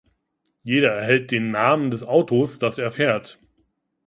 Jeder erhält den Namen des Autos, das er fährt.